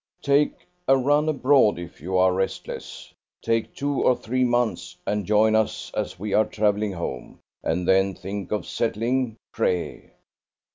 Take a run abroad, if you are restless. Take two or three months, and join us as we are travelling home; and then think of settling, pray.